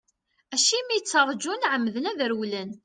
Acimi ttarǧun, ɛemmden ad rewlen.